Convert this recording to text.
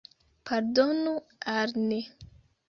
Pardonu al ni!